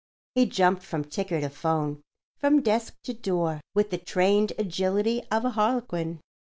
He jumped from ticker to 'phone, from desk to door with the trained agility of a harlequin.